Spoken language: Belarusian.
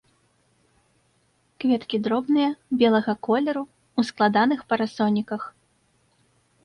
Кветкі дробныя, белага колеру, у складаных парасоніках.